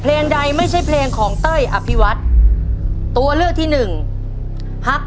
พอเชิญน้องเฟย์มาต่อชีวิตเป็นคนต่อชีวิตเป็นคนต่อไปครับ